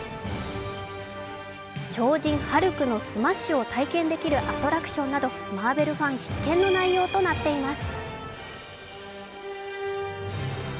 超人・ハルクのスマッシュを体験できるアトラクションなど、マーベルファン必見の内容となっています。